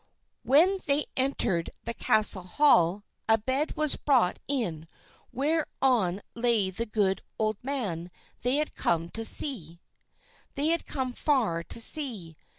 When they entered the castle hall, a bed was brought in whereon lay the good old man they had come so far to see.